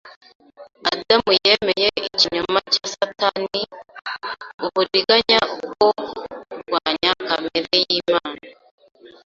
Adamu yemeye ikinyoma cya Satani, Uburiganya bwo kurwanya kamere y’Imana.